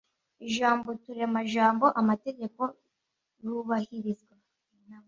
Ijambo Uturema jambo Amategeko rubahirizwa